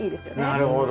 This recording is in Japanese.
なるほど。